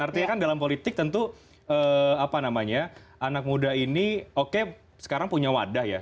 artinya kan dalam politik tentu anak muda ini oke sekarang punya wadah ya